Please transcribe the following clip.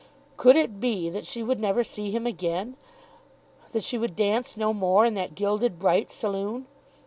Could it be that she would never see him again; that she would dance no more in that gilded bright saloon?